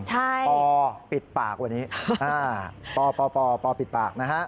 พอปิดปากวันนี้ปปปิดปากนะฮะ